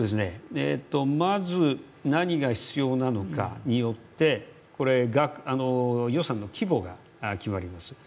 まず何が必要なのかによって、予算の規模が決まります。